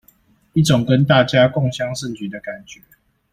一種跟大家共襄盛舉的感覺